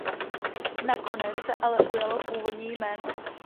Nakonec se ale ujalo původní jméno.